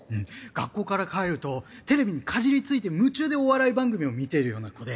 学校から帰るとテレビにかじりついて夢中でお笑い番組を見ているような子で。